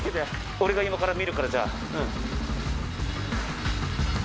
俺が今から見るからじゃあ。